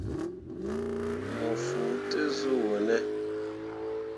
Mo fuu te zuu wo ne ?